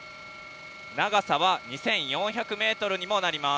長さは２４００メートルにもなります。